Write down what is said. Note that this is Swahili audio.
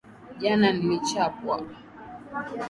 Jana nlichapwa